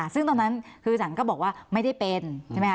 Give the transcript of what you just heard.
ซึ่งตอนนั้นคือสารก็บอกว่าไม่ได้เป็นใช่ไหมค